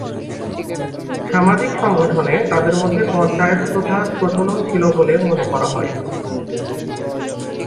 সামাজিক সংগঠনে তাদের মধ্যে পঞ্চায়েত প্রথার প্রচলন ছিল বলে মনে করা হয়।